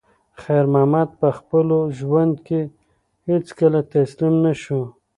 خیر محمد په خپل ژوند کې هیڅکله تسلیم نه شو.